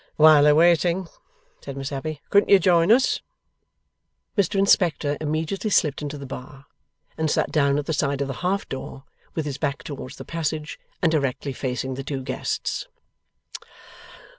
'While they're waiting,' said Miss Abbey, 'couldn't you join us?' Mr Inspector immediately slipped into the bar, and sat down at the side of the half door, with his back towards the passage, and directly facing the two guests.